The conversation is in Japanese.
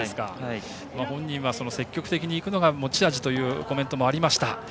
本人からは積極的に行くのが持ち味というコメントもありました。